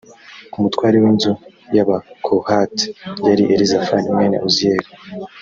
k umutware w inzu y abakohati yari elizafani mwene uziyeli